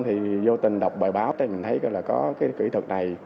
thì vô tình đọc bài báo thấy mình thấy có cái kỹ thuật này